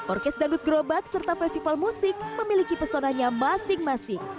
orkes dangdut gerobak serta festival musik memiliki pesonanya masing masing